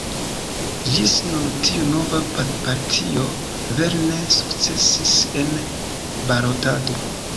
Ĝis nun tiu nova partio vere ne sukcesis en balotado.